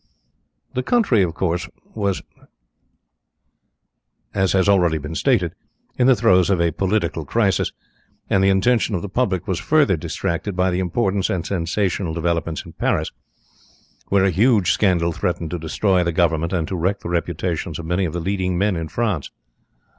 The country was, as has already been stated, in the throes of a political crisis, and the attention of the public was further distracted by the important and sensational developments in Paris, where a huge scandal threatened to destroy the Government and to wreck the reputations of many of the leading men in France.